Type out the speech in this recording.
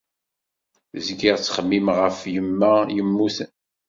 Zgiɣ ttxemmimeɣ ɣef yemma yemmuten.